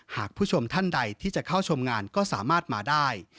ผู้ชมท่านใดที่จะเข้าชมงานก็สามารถมาได้